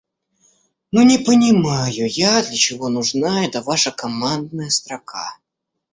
Ну не понимаю я для чего нужна эта ваша командная строка!